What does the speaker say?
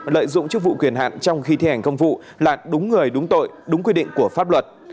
lợi dụng chức vụ quyền hạn trong khi thi hành công vụ là đúng người đúng tội đúng quy định của pháp luật